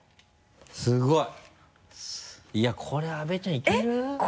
すごい！いやこれ阿部ちゃんいける？えっ？